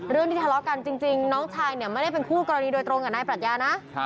เรื่องที่ทะเลาะกันจริงน้องชายเนี่ยไม่ได้เป็นคู่กรณีโดยตรงกับนายปรัชญานะ